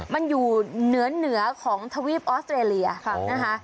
มันอยู่เหนือเหนือของทวีปออสเตรเลียนะคะ